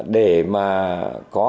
để mà có